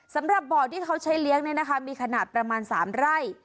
สำหรับบ่อที่เขาใช้เลี้ยงมีขนาดประมาณ๓ไร่